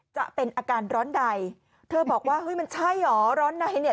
จะเป็นอาการร้อนใดเธอบอกว่าเฮ้ยมันใช่เหรอร้อนในเนี่ย